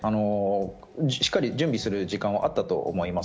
しっかり準備する時間はあったと思います。